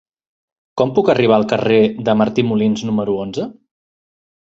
Com puc arribar al carrer de Martí Molins número onze?